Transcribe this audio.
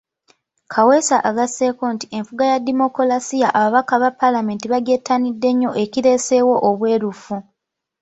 Kaweesa agasseeko nti enfuga ya demokulaasiya ababaka ba Paalamenti bagyettanidde nnyo ekireeseewo obwerufu.